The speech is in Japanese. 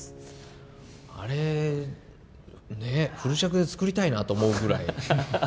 あれフル尺で作りたいなと思うぐらい。